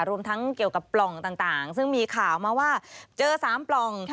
รวมทั้งเกี่ยวกับปล่องต่างซึ่งมีข่าวมาว่าเจอ๓ปล่อง